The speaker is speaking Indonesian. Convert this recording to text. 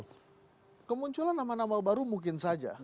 nah kemunculan nama nama baru mungkin saja